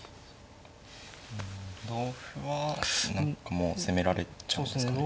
同歩は何かもう攻められちゃうんですかね。